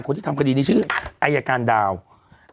คนที่ทำคดีนี้ชื่ออายการดาว